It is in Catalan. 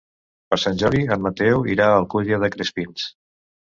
Per Sant Jordi en Mateu irà a l'Alcúdia de Crespins.